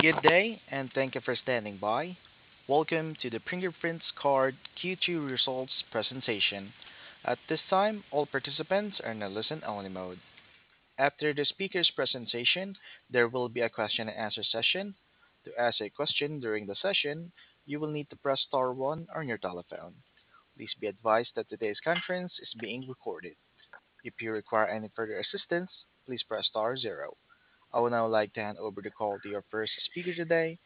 Good day, and thank you for standing by. Welcome to the Fingerprint Cards Q2 results presentation. At this time all participant are in listen only mode. After the speakers presentation there will be a question and answer session. To ask a question during the session you will need to press star one on your telephone. Please be advised that todays conference is being recorded. If you require any further assistance please press star zero. I would now like to hand over the call to our first speaker today,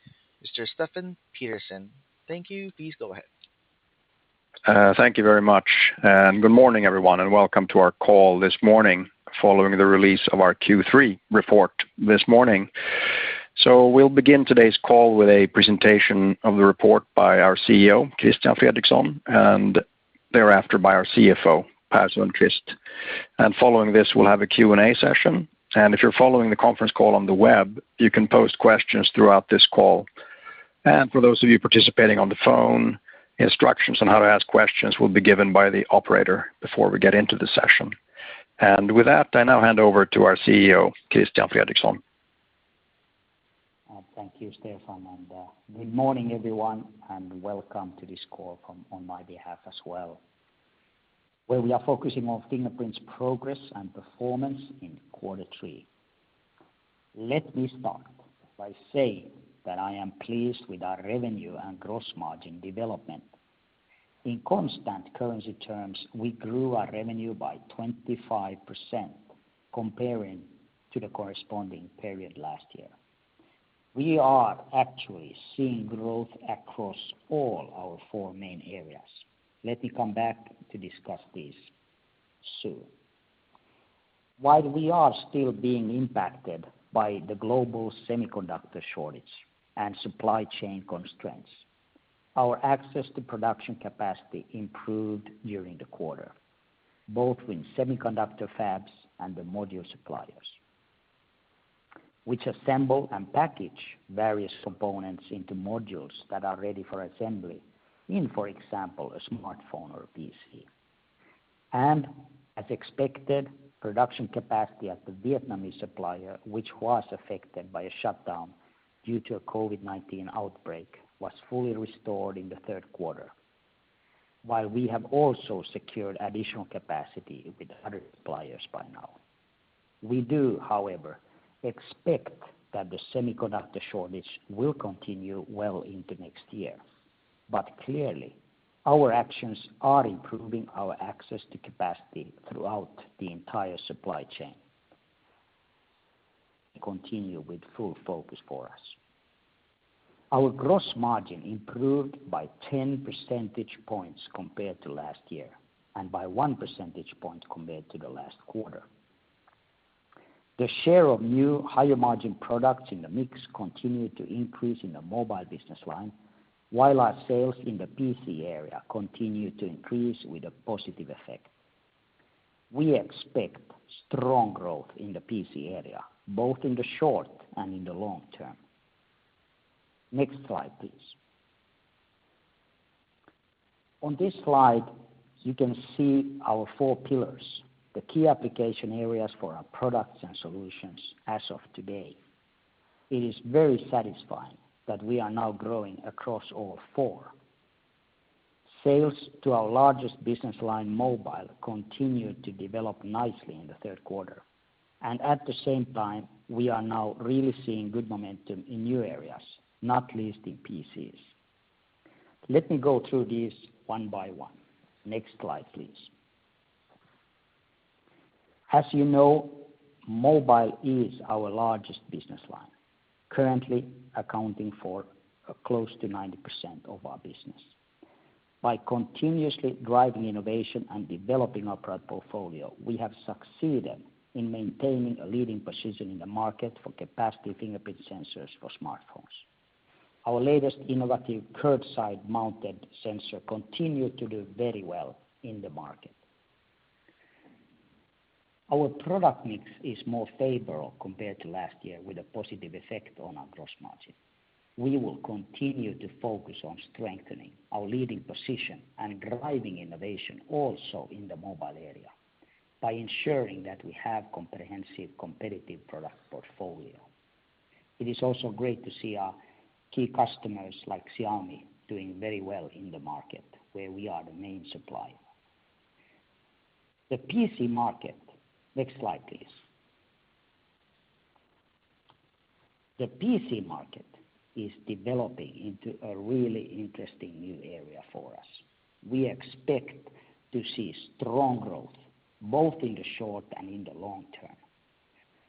Mr. Stefan Pettersson. Thank you. Please go ahead. Thank you very much, good morning, everyone, and welcome to our call this morning following the release of our Q3 report this morning. We'll begin today's call with a presentation of the report by our CEO, Christian Fredrikson, and thereafter by our CFO, Per Sundqvist. Following this, we'll have a Q&A session. If you're following the conference call on the web, you can post questions throughout this call. For those of you participating on the phone, instructions on how to ask questions will be given by the operator before we get into the session. With that, I now hand over to our CEO, Christian Fredrikson. Thank you, Stefan, and good morning, everyone, and welcome to this call on my behalf as well, where we are focusing on Fingerprint's progress and performance in quarter three. Let me start by saying that I am pleased with our revenue and gross margin development. In constant currency terms, we grew our revenue by 25% comparing to the corresponding period last year. We are actually seeing growth across all our four main areas. Let me come back to discuss this soon. While we are still being impacted by the global semiconductor shortage and supply chain constraints, our access to production capacity improved during the quarter, both with semiconductor fabs and the module suppliers, which assemble and package various components into modules that are ready for assembly in, for example, a smartphone or a PC. As expected, production capacity at the Vietnamese supplier, which was affected by a shutdown due to a COVID-19 outbreak, was fully restored in the third quarter. While we have also secured additional capacity with other suppliers by now. We do, however, expect that the semiconductor shortage will continue well into next year. Clearly, our actions are improving our access to capacity throughout the entire supply chain. They continue with full focus for us. Our gross margin improved by 10 percentage points compared to last year and by one percentage point compared to the last quarter. The share of new higher-margin products in the mix continued to increase in the mobile business line, while our sales in the PC area continued to increase with a positive effect. We expect strong growth in the PC area, both in the short and in the long term. Next slide, please. On this slide, you can see our four pillars, the key application areas for our products and solutions as of today. It is very satisfying that we are now growing across all four. Sales to our largest business line, mobile, continued to develop nicely in the third quarter, and at the same time, we are now really seeing good momentum in new areas, not least in PCs. Let me go through these one by one. Next slide, please. As you know, mobile is our largest business line, currently accounting for close to 90% of our business. By continuously driving innovation and developing our product portfolio, we have succeeded in maintaining a leading position in the market for capacitive Fingerprint sensors for smartphones. Our latest innovative side-mounted sensor continued to do very well in the market. Our product mix is more favorable compared to last year with a positive effect on our gross margin. We will continue to focus on strengthening our leading position and driving innovation also in the mobile area by ensuring that we have comprehensive competitive product portfolio. It is also great to see our key customers like Xiaomi doing very well in the market where we are the main supplier. The PC market. Next slide, please. The PC market is developing into a really interesting new area for us. We expect to see strong growth both in the short and in the long term.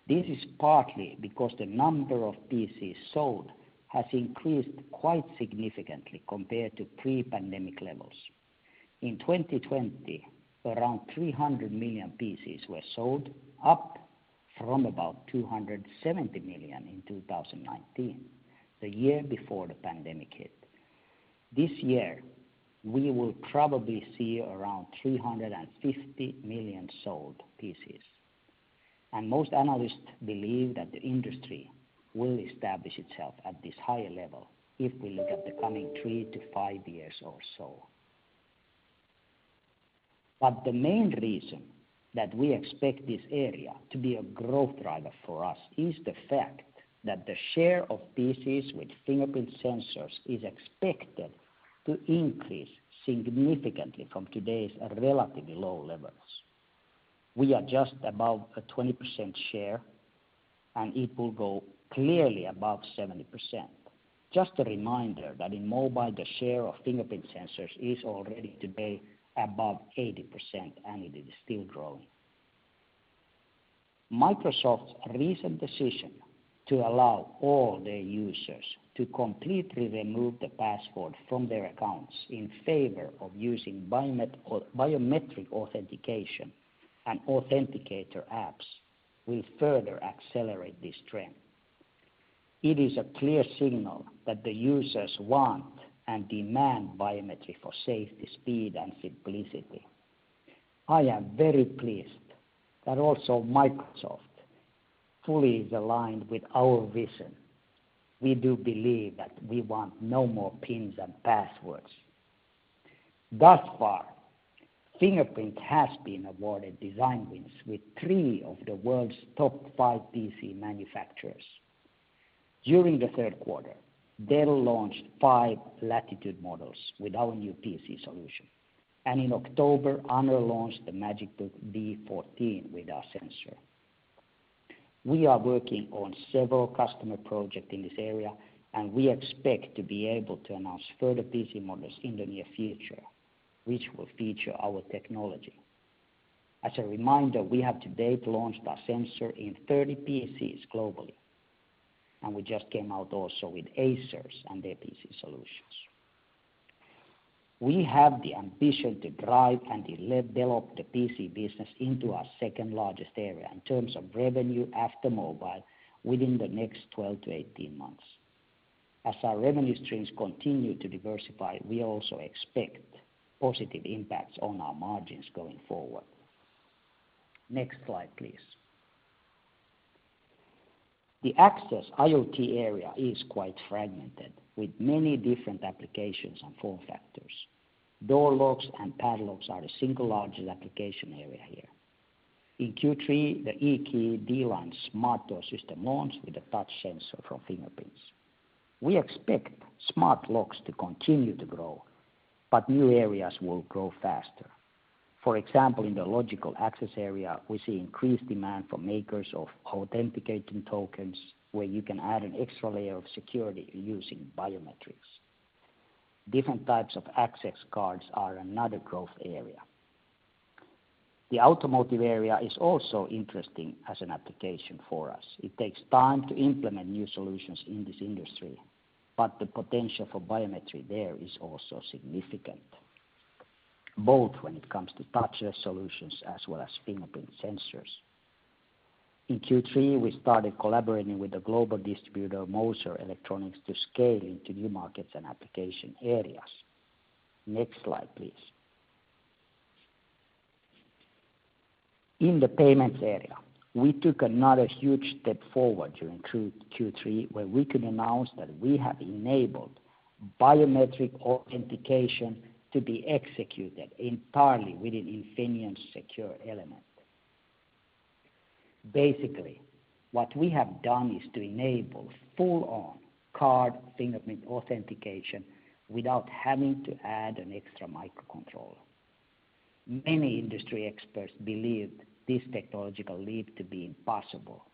This is partly because the number of PCs sold has increased quite significantly compared to pre-pandemic levels. In 2020, around 300 million PCs were sold, up from about 270 million in 2019, the year before the pandemic hit. This year, we will probably see around 350 million sold PCs, and most analysts believe that the industry will establish itself at this higher level if we look at the coming three to five years or so. The main reason that we expect this area to be a growth driver for us is the fact that the share of PCs with Fingerprint sensors is expected to increase significantly from today's relatively low levels. We are just above a 20% share, and it will go clearly above 70%. Just a reminder that in mobile, the share of Fingerprint sensors is already today above 80%, and it is still growing. Microsoft's recent decision to allow all their users to completely remove the password from their accounts in favor of using biometric authentication and authenticator apps will further accelerate this trend. It is a clear signal that the users want and demand biometry for safety, speed and simplicity. I am very pleased that also Microsoft fully is aligned with our vision. We do believe that we want no more pins and passwords. Thus far, Fingerprint has been awarded design wins with three of the world's top five PC manufacturers. During the third quarter, Dell launched five Latitude models with our new PC solution, and in October, Honor launched the MagicBook D14 with our sensor. We are working on several customer projects in this area, and we expect to be able to announce further PC models in the near future, which will feature our technology. As a reminder, we have to date launched our sensor in 30 PCs globally, and we just came out also with Acer and their PC solutions. We have the ambition to drive and develop the PC business into our second largest area in terms of revenue after mobile within the next 12 to 18 months. As our revenue streams continue to diversify, we also expect positive impacts on our margins going forward. Next slide, please. The access IoT area is quite fragmented with many different applications and form factors. Door locks and padlocks are the single largest application area here. In Q3, the ekey dLine smart door system launched with a touch sensor from Fingerprint cards. We expect smart locks to continue to grow, but new areas will grow faster. For example, in the logical access area, we see increased demand for makers of authenticating tokens where you can add an extra layer of security using biometrics. Different types of access cards are another growth area. The automotive area is also interesting as an application for us. It takes time to implement new solutions in this industry, but the potential for biometry there is also significant, both when it comes to touchless solutions as well as Fingerprint sensors. In Q3, we started collaborating with the global distributor, Mouser Electronics, to scale into new markets and application areas. Next slide, please. In the payments area, we took another huge step forward during Q3, where we could announce that we have enabled biometric authentication to be executed entirely within Infineon's secure element. Basically, what we have done is to enable full on-card Fingerprint authentication without having to add an extra microcontroller. Many industry experts believed this technological leap to be impossible,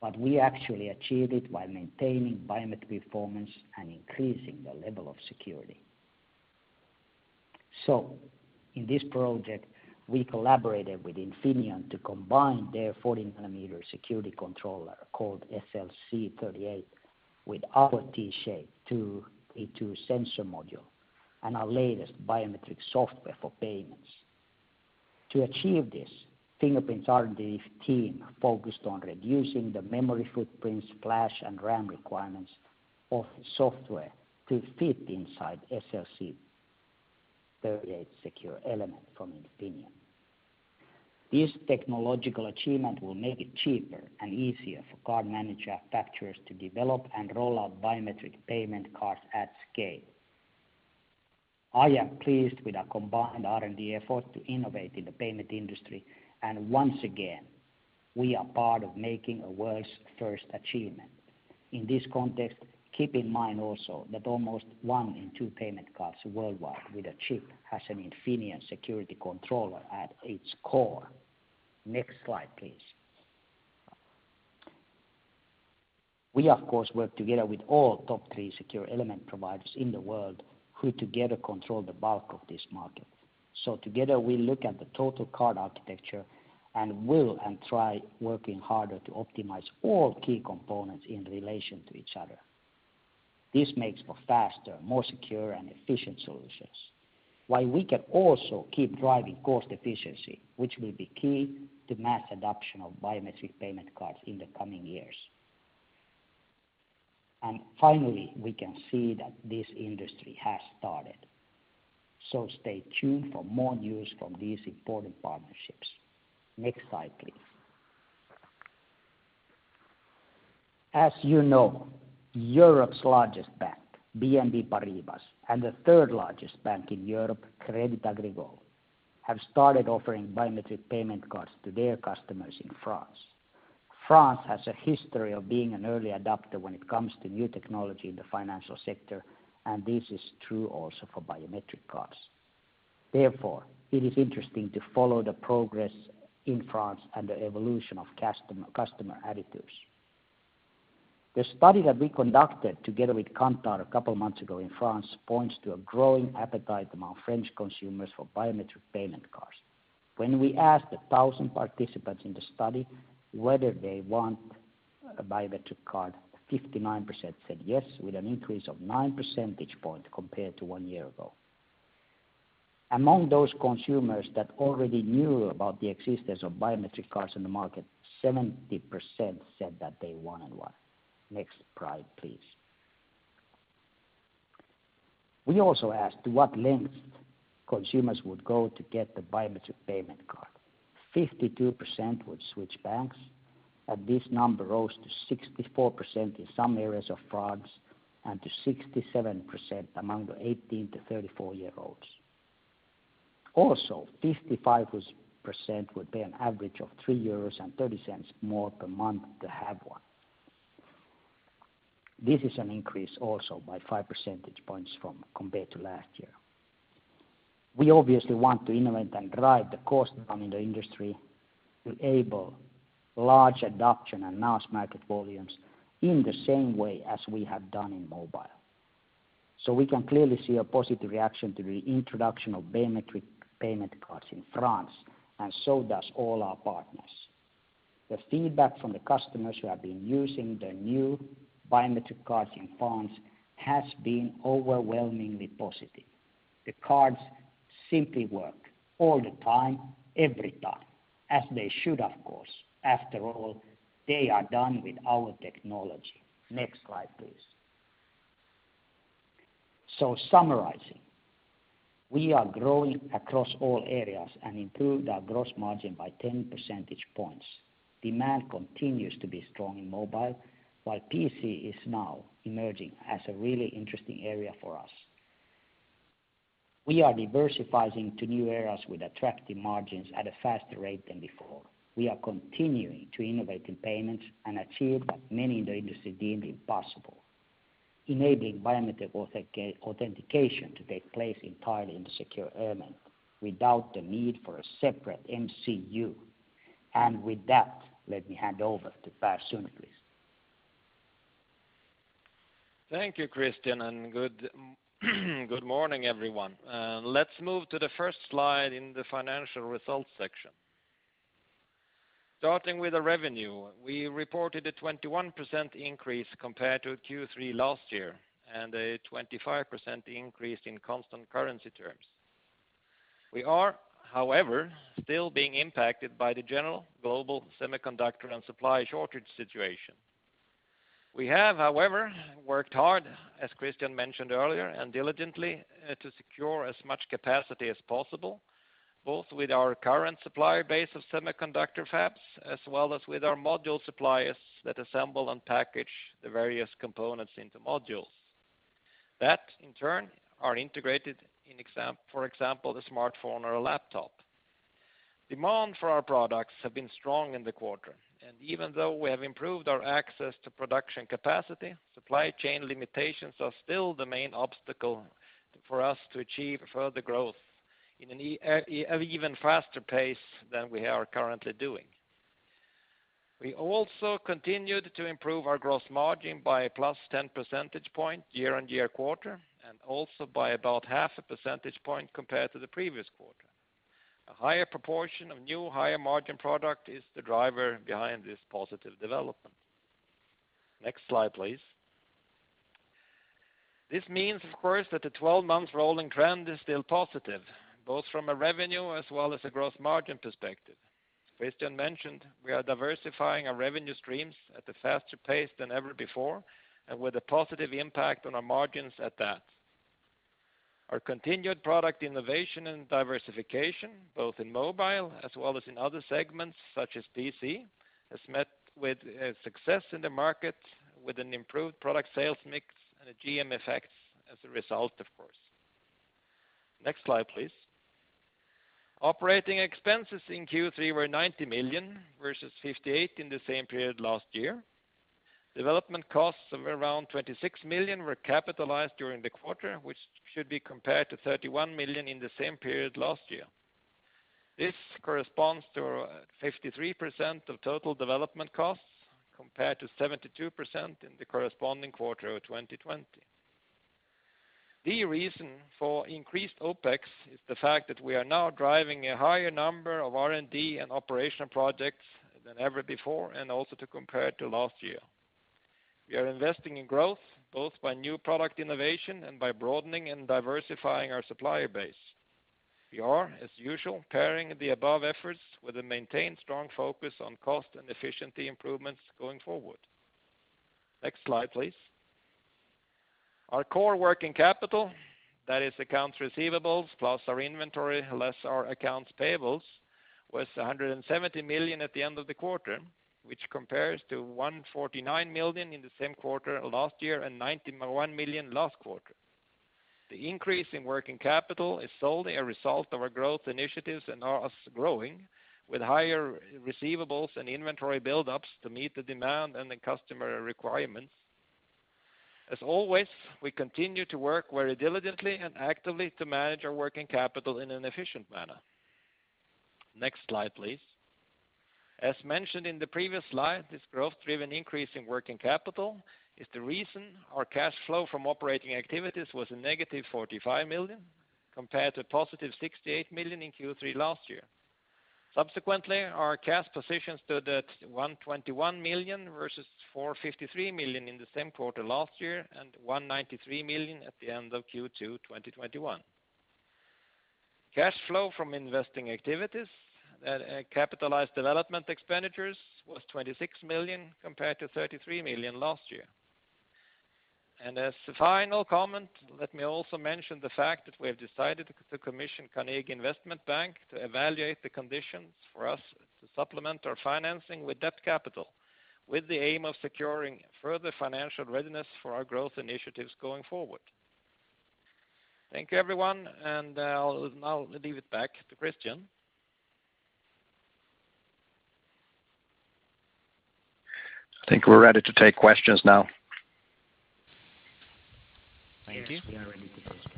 but we actually achieved it while maintaining biometric performance and increasing the level of security. In this project, we collaborated with Infineon to combine their 14-nanometer security controller called SLC38 with our T-Shape 2 sensor module and our latest biometric software for payments. To achieve this, Fingerprint cards' R&D team focused on reducing the memory footprints, flash, and RAM requirements of software to fit inside SLC38 secure element from Infineon. This technological achievement will make it cheaper and easier for card manufacturer to develop and roll out biometric payment cards at scale. I am pleased with our combined R&D effort to innovate in the payment industry, Once again, we are part of making a world's first achievement. In this context, keep in mind also that almost one in two payment cards worldwide with a chip has an Infineon security controller at its core. Next slide, please. We, of course, work together with all top three secure element providers in the world who together control the bulk of this market. Together, we look at the total card architecture and will try working harder to optimize all key components in relation to each other. This makes for faster, more secure, and efficient solutions, while we can also keep driving cost efficiency, which will be key to mass adoption of biometric payment cards in the coming years. Finally, we can see that this industry has started. Stay tuned for more news from these important partnerships. Next slide, please. As you know, Europe's largest bank, BNP Paribas, and the third largest bank in Europe, Crédit Agricole, have started offering biometric payment cards to their customers in France. France has a history of being an early adopter when it comes to new technology in the financial sector, and this is true also for biometric cards. Therefore, it is interesting to follow the progress in France and the evolution of customer attitudes. The study that we conducted together with Kantar a couple months ago in France points to a growing appetite among French consumers for biometric payment cards. When we asked 1,000 participants in the study whether they want a biometric card, 59% said yes, with an increase of nine percentage points compared to one year ago. Among those consumers that already knew about the existence of biometric cards in the market, 70% said that they wanted one. Next slide, please. We also asked to what lengths consumers would go to get the biometric payment card. 52% would switch banks, and this number rose to 64% in some areas of France and to 67% among the 18 to 34-year-olds. Also, 55% would pay an average of 3.30 euros more per month to have one. This is an increase also by 5 percentage points compared to last year. We obviously want to innovate and drive the cost down in the industry to enable large adoption and mass market volumes in the same way as we have done in mobile. We can clearly see a positive reaction to the introduction of biometric payment cards in France, and so does all our partners. The feedback from the customers who have been using the new biometric cards in France has been overwhelmingly positive. The cards simply work all the time, every time, as they should, of course. After all, they are done with our technology. Next slide, please. Summarizing, we are growing across all areas and improved our gross margin by 10 percentage points. Demand continues to be strong in mobile, while PC is now emerging as a really interesting area for us. We are diversifying to new areas with attractive margins at a faster rate than before. We are continuing to innovate in payments and achieve what many in the industry deemed impossible, enabling biometric authentication to take place entirely in the secure element without the need for a separate MCU. With that, let me hand over to Per Sundqvist, please. Thank you, Christian, and good morning, everyone. Let's move to the first slide in the financial results section. Starting with the revenue, we reported a 21% increase compared to Q3 last year, and a 25% increase in constant currency terms. We are, however, still being impacted by the general global semiconductor and supply shortage situation. We have, however, worked hard, as Christian mentioned earlier, and diligently to secure as much capacity as possible, both with our current supplier base of semiconductor fabs as well as with our module suppliers that assemble and package the various components into modules, that in turn are integrated in, for example, the smartphone or a laptop. Demand for our products have been strong in the quarter, and even though we have improved our access to production capacity, supply chain limitations are still the main obstacle for us to achieve further growth in an even faster pace than we are currently doing. We also continued to improve our gross margin by +10 percentage point year-on-year quarter, and also by about 0.5 percentage point compared to the previous quarter. A higher proportion of new higher margin product is the driver behind this positive development. Next slide, please. This means, of course, that the 12-month rolling trend is still positive, both from a revenue as well as a gross margin perspective. Christian mentioned we are diversifying our revenue streams at a faster pace than ever before, and with a positive impact on our margins at that. Our continued product innovation and diversification, both in mobile as well as in other segments such as PC, has met with success in the market with an improved product sales mix and a GM effect as a result, of course. Next slide, please. Operating expenses in Q3 were 90 million, versus 58 million in the same period last year. Development costs of around 26 million were capitalized during the quarter, which should be compared to 31 million in the same period last year. This corresponds to 53% of total development costs, compared to 72% in the corresponding quarter of 2020. The reason for increased OPEX is the fact that we are now driving a higher number of R&D and operational projects than ever before and also to compare to last year. We are investing in growth both by new product innovation and by broadening and diversifying our supplier base. We are, as usual, pairing the above efforts with a maintained strong focus on cost and efficiency improvements going forward. Next slide, please. Our core working capital, that is accounts receivables plus our inventory, less our accounts payables, was 170 million at the end of the quarter, which compares to 149 million in the same quarter last year and 91 million last quarter. The increase in working capital is solely a result of our growth initiatives and us growing with higher receivables and inventory buildups to meet the demand and the customer requirements. As always, we continue to work very diligently and actively to manage our working capital in an efficient manner. Next slide, please. As mentioned in the previous slide, this growth-driven increase in working capital is the reason our cash flow from operating activities was a negative 45 million, compared to positive 68 million in Q3 last year. Subsequently, our cash position stood at 121 million versus 453 million in the same quarter last year and 193 million at the end of Q3 2021. Cash flow from investing activities, that capitalized development expenditures was 26 million compared to 33 million last year. As the final comment, let me also mention the fact that we have decided to commission Carnegie Investment Bank to evaluate the conditions for us to supplement our financing with debt capital, with the aim of securing further financial readiness for our growth initiatives going forward. Thank you, everyone, and I'll now leave it back to Christian. I think we're ready to take questions now. Thank you. Yes, we are ready to take questions.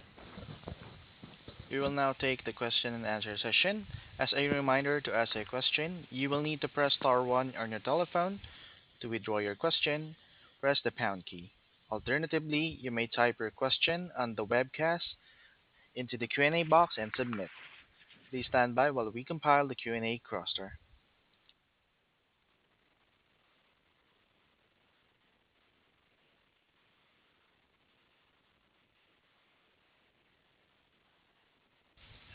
We will now take the question and answer session. As a reminder, to ask a question, you will need to press star one on your telephone. To withdraw your question, press the pound key. Alternatively, you may type your question on the webcast into the Q&A box and submit. Please stand by while we compile the Q&A roster.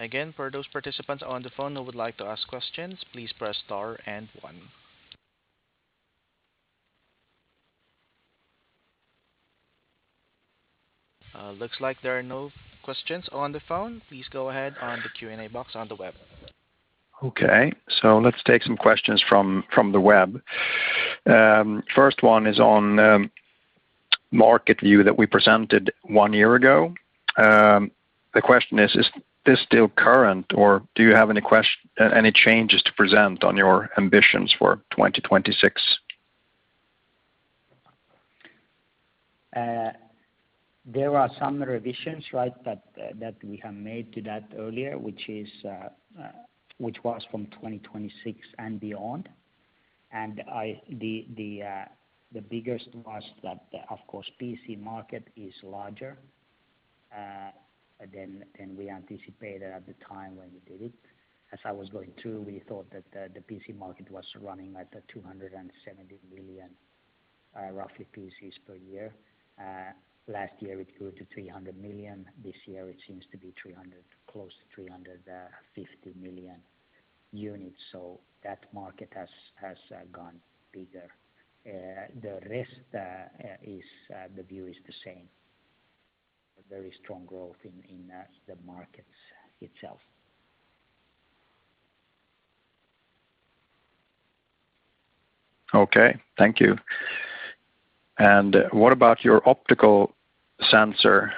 Again, for those participants on the phone who would like to ask questions, please press star and one. Looks like there are no questions on the phone. Please go ahead on the Q&A box on the web. Okay, let's take some questions from the web. First one is on market view that we presented one year ago. The question is: Is this still current, or do you have any changes to present on your ambitions for 2026? There are some revisions that we have made to that earlier, which was from 2026 and beyond. The biggest was that, of course, PC market is larger than we anticipated at the time when we did it. As I was going through, we thought that the PC market was running at 270 million, roughly, PCs per year. Last year it grew to 300 million. This year it seems to be close to 350 million units. That market has gone bigger. The rest is the view is the same, a very strong growth in the markets itself. Okay. Thank you. What about your optical sensor?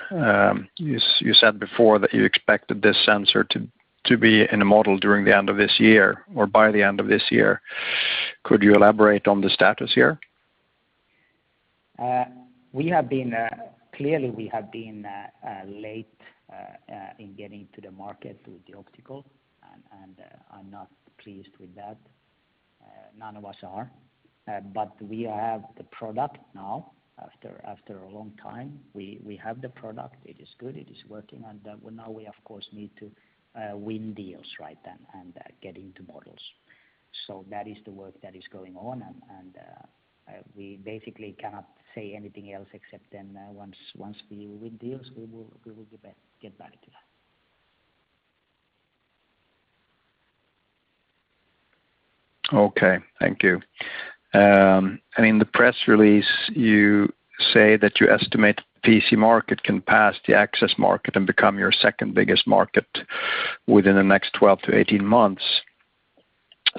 You said before that you expected this sensor to be in a model during the end of this year or by the end of this year. Could you elaborate on the status here? Clearly we have been late in getting to the market with the optical, and I'm not pleased with that. None of us are. We have the product now after a long time. We have the product. It is good. It is working. Now we, of course, need to win deals right then and get into models. That is the work that is going on, and we basically cannot say anything else except then once we win deals, we will get back to that. Okay. Thank you. In the press release, you say that you estimate PC market can pass the access market and become your second biggest market within the next 12 to 18 months.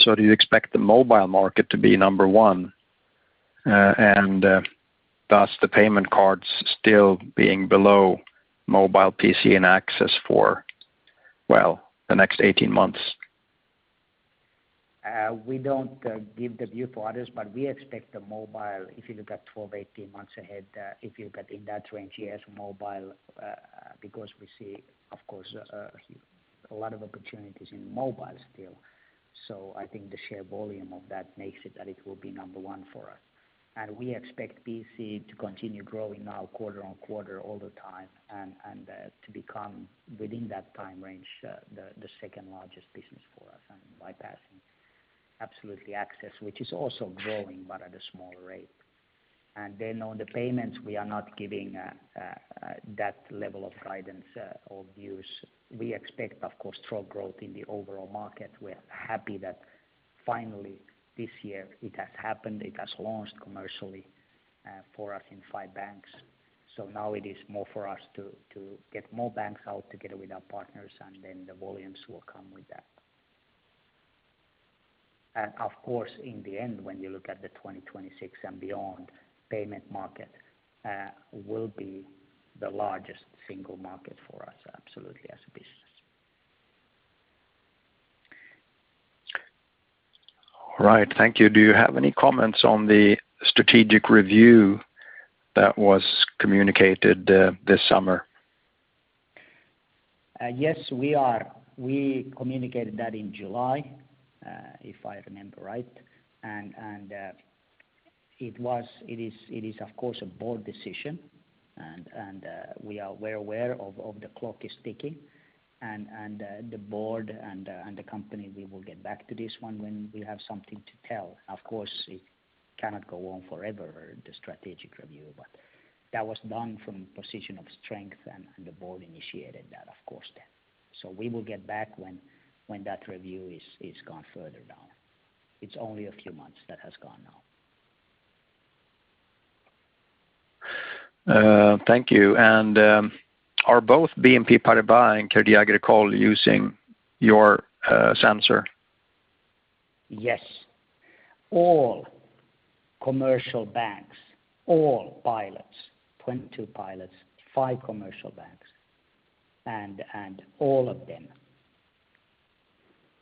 Do you expect the mobile market to be number one, and thus the payment cards still being below mobile PC and access for, well, the next 18 months? We don't give the view for others, but we expect the mobile, if you look at 12-18 months ahead, if you look at in that range, yes, mobile, because we see, of course, a lot of opportunities in mobile still. I think the share volume of that makes it that it will be number one for us. We expect PC to continue growing now quarter on quarter all the time and to become, within that time range, the second largest business for us and bypassing absolutely access, which is also growing, but at a smaller rate. Then on the payments, we are not giving that level of guidance or views. We expect, of course, strong growth in the overall market. We're happy that finally this year it has happened. It has launched commercially for us in five banks. Now it is more for us to get more banks out together with our partners, then the volumes will come with that. Of course, in the end, when you look at the 2026 and beyond payment market, will be the largest single market for us, absolutely, as a business. All right. Thank you. Do you have any comments on the strategic review that was communicated this summer? Yes, we are. We communicated that in July, if I remember right. It is, of course, a board decision. We are aware of the clock is ticking. The board and the company, we will get back to this one when we have something to tell. Of course, it cannot go on forever, the strategic review. That was done from a position of strength. The board initiated that, of course, then. We will get back when that review is gone further down. It is only a few months that has gone now. Thank you. Are both BNP Paribas and Crédit Agricole using your sensor? Yes. All commercial banks, all pilots, 22 pilots, five commercial banks, and all of them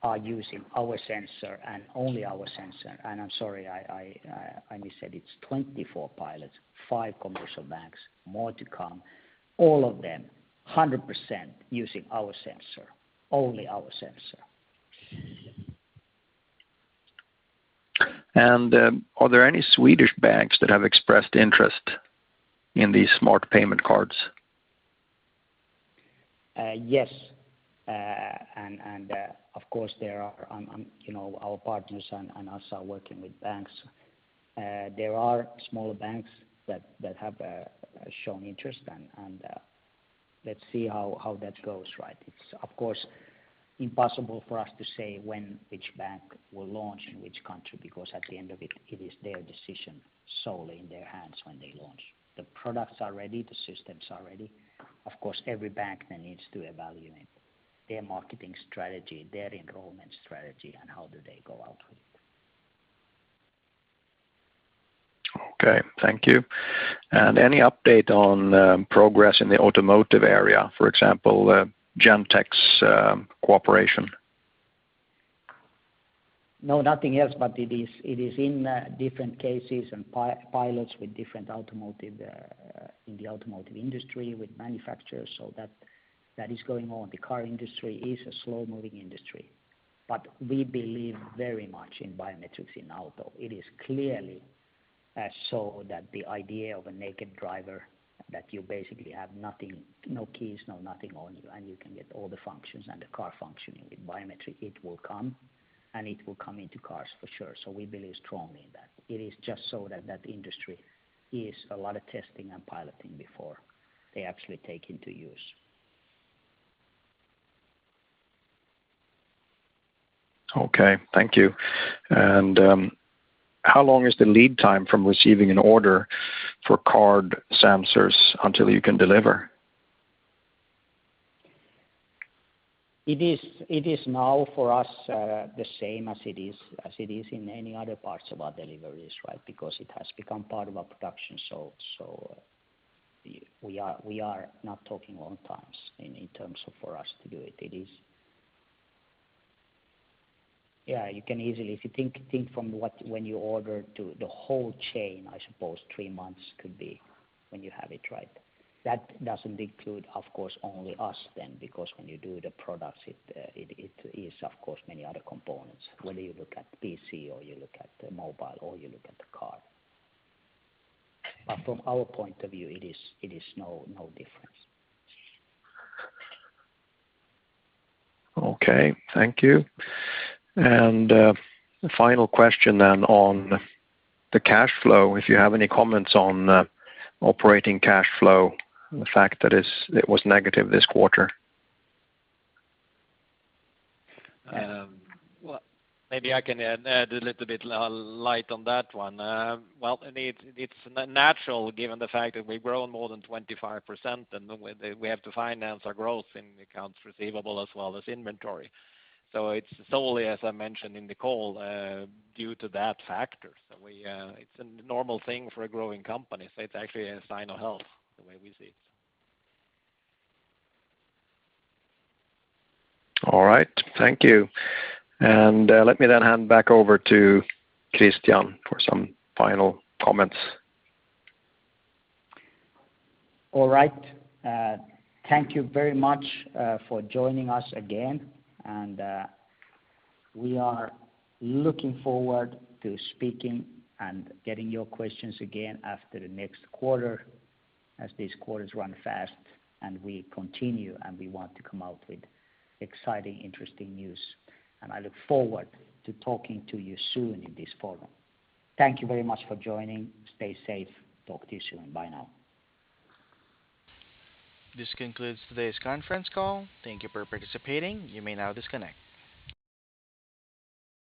are using our sensor and only our sensor. I'm sorry, I missaid. It's 24 pilots, five commercial banks, more to come. All of them, 100% using our sensor. Only our sensor. Are there any Swedish banks that have expressed interest in these smart payment cards? Yes. Of course there are. Our partners and us are working with banks. There are smaller banks that have shown interest. Let's see how that goes, right? It's of course impossible for us to say when each bank will launch in which country, because at the end of it is their decision, solely in their hands when they launch. The products are ready, the systems are ready. Of course, every bank then needs to evaluate their marketing strategy, their enrollment strategy, and how do they go out with it. Okay. Thank you. Any update on progress in the automotive area, for example, Gentex cooperation? No, nothing else, but it is in different cases and pilots with different automotive, in the automotive industry with manufacturers. That is going on. The car industry is a slow-moving industry. We believe very much in biometrics in auto. It is clearly so that the idea of a naked driver, that you basically have nothing, no keys, no nothing on you, and you can get all the functions and the car functioning with biometric, it will come, and it will come into cars for sure. We believe strongly in that. It is just so that that industry is a lot of testing and piloting before they actually take into use. Okay. Thank you. How long is the lead time from receiving an order for card sensors until you can deliver? It is now for us the same as it is in any other parts of our deliveries, right? It has become part of our production. We are not talking long times in terms of for us to do it. You can easily, if you think from when you order to the whole chain, I suppose three months could be when you have it, right? That doesn't include, of course, only us then, because when you do the products, it is of course many other components, whether you look at PC or you look at mobile or you look at the car. From our point of view, it is no difference. Okay. Thank you. Final question then on the cash flow, if you have any comments on operating cash flow and the fact that it was negative this quarter? Well, maybe I can add a little bit light on that one. Well, it's natural given the fact that we've grown more than 25%, and we have to finance our growth in accounts receivable as well as inventory. It's solely, as I mentioned in the call, due to that factor. It's a normal thing for a growing company. It's actually a sign of health, the way we see it. All right. Thank you. Let me then hand back over to Christian for some final comments. All right. Thank you very much for joining us again. We are looking forward to speaking and getting your questions again after the next quarter, as these quarters run fast and we continue, and we want to come out with exciting, interesting news. I look forward to talking to you soon in this forum. Thank you very much for joining. Stay safe. Talk to you soon. Bye now. This concludes today's conference call. Thank you for participating. You may now disconnect.